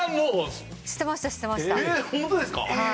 ホントですか？